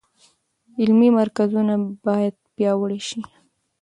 علمي مرکزونه باید پیاوړي شي.